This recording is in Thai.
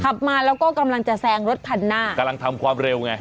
ขับมาแล้วก็กำลังจะแซงรถคันหน้ากำลังทำความเร็วไง